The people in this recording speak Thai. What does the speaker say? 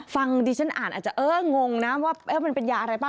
ฟังดิฉันอ่านอาจจะเอองงนะว่ามันเป็นยาอะไรป่